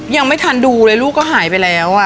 ยังไม่ทันดูเลยลูกก็หายไปแล้ว